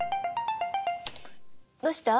どうした？